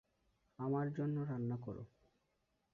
আমার জন্য রান্না কর।